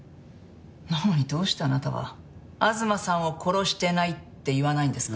なのにどうしてあなたは東さんを殺してないって言わないんですか？